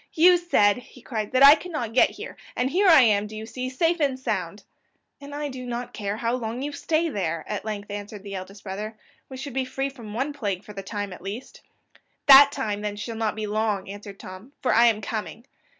"You said," he cried, "that I could not get here and here I am, do you see, safe and sound?" "And I do not care how long you stay there," at length answered the eldest brother; "we should be free from one plague for the time at least." "That time, then, shall not be long," answered Tom, "for I am coming."